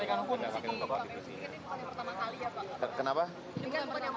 ini bukan yang pertama kali ini bukan yang pertama kali yang berkondisi di kpu